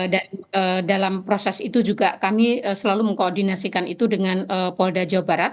dan dalam proses itu juga kami selalu mengkoordinasikan itu dengan polda jawa barat